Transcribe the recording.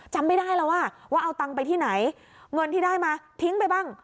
จำไม่ได้แล้วอ่ะว่าเอาตังค์ไปที่ไหนเงินที่ได้มาทิ้งไปบ้าง